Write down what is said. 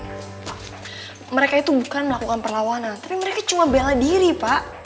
mereka itu bukan melakukan perlawanan tapi mereka cuma bela diri pak